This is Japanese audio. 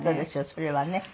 それはね。